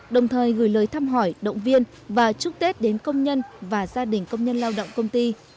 đồng thời gửi lời thăm hỏi động viên và chúc tết đến công nhân và gia đình công nhân lao động công ty